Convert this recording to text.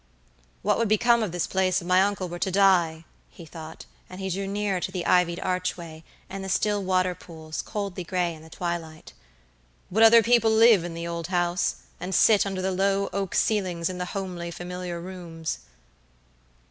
"What would become of this place if my uncle were to die?" he thought, and he drew nearer to the ivied archway, and the still water pools, coldly gray in the twilight. "Would other people live in the old house, and sit under the low oak ceilings in the homely familiar rooms?"